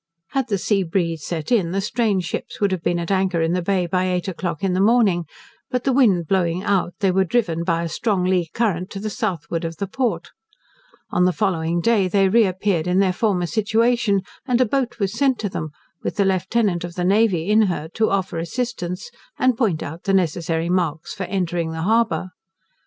Had the sea breeze set in, the strange ships would have been at anchor in the Bay by eight o'clock in the morning, but the wind blowing out, they were driven by a strong lee current to the southward of the port. On the following day they re appeared in their former situation, and a boat was sent to them, with a lieutenant of the navy in her, to offer assistance, and point out the necessary marks for entering the harbour.